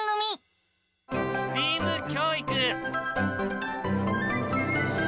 ＳＴＥＡＭ教育。